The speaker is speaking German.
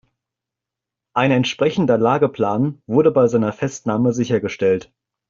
Ein entsprechender Lageplan wurde bei seiner Festnahme sichergestellt.